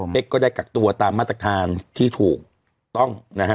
ก็ได้กักตัวตามมาตรฐานที่ถูกต้องนะฮะ